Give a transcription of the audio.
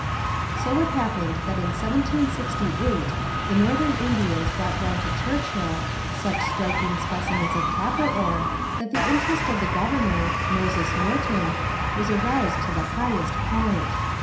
It so happened that in 1768 the Northern Indians brought down to Churchill such striking specimens of copper ore that the interest of the governor, Moses Norton, was aroused to the highest point.